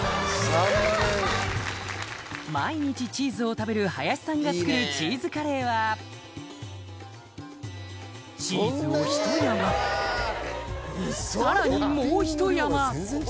毎日チーズを食べる林さんが作るチーズカレーはチーズをひと山更にもうひと山！